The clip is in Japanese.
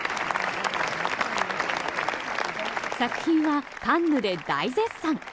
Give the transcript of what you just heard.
作品はカンヌで大絶賛。